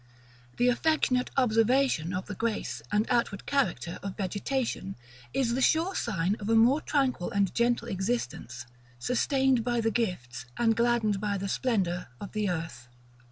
The affectionate observation of the grace and outward character of vegetation is the sure sign of a more tranquil and gentle existence, sustained by the gifts, and gladdened by the splendor, of the earth.